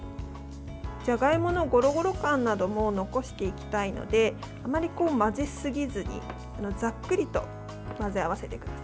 じゃがいものゴロゴロ感などを残していきたいのであまり混ぜすぎずにざっくりと混ぜ合わせてください。